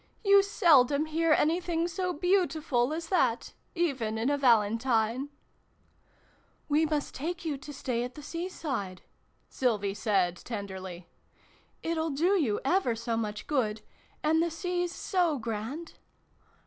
"You seldom hear anything so beautiful as that even in a Valentine !"" We must take you to stay at the seaside," Sylvie said, tenderly. " It'll do you ever so much good ! And the Sea's so grand